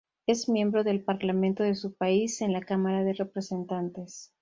Es miembro del Parlamento de su país, en la Cámara de Representantes.